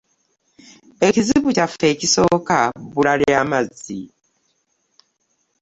Ekizibu kyaffe ekisooka bbula lya mazzi.